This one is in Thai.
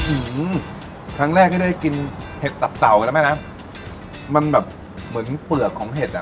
อืมครั้งแรกที่ได้กินเห็ดตับเต่าไปแล้วแม่นะมันแบบเหมือนเปลือกของเห็ดอ่ะ